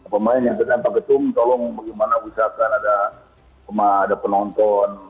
pemain yang sedang paketung tolong bagaimana usahakan ada penonton